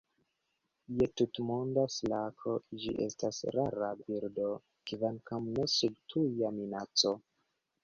Je tutmonda skalo ĝi estas rara birdo, kvankam ne sub tuja minaco.